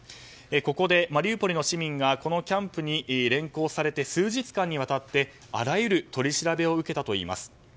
ここでマリウポリの市民がこのキャンプに連行されて数日間にわたってあらゆる取り調べを受けたといいます。